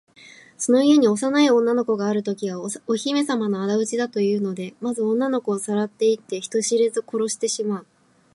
その家に幼い女の子があるときは、お姫さまのあだ討ちだというので、まず女の子をさらっていって、人知れず殺してしまう。